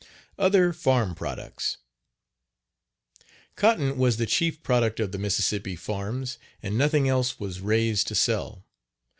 OTHER FARM PRODUCTS. Cotton was the chief product of the Mississippi farms and nothing else was raised to sell.